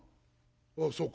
「ああそうか。